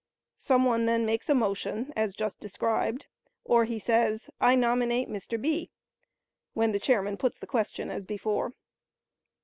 Some one then makes a motion as just described, or he says "I nominate Mr. B," when the chairman puts the question as before.